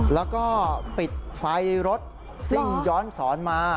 แล้วก็ปิดไฟรถซิ่งย้อนสอนมา